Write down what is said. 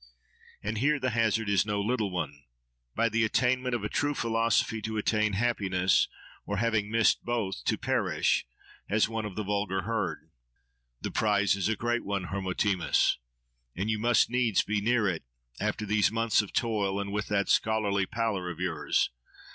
And here the hazard is no little one:—By the attainment of a true philosophy to attain happiness; or, having missed both, to perish, as one of the vulgar herd. —The prize is a great one, Hermotimus! and you must needs be near it, after these months of toil, and with that scholarly pallor of yours.